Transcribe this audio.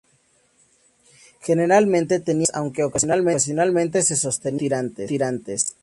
Generalmente tenía mangas, aunque ocasionalmente se sostenía con tirantes.